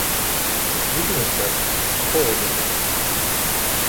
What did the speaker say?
Візьми, серце, холодно буде.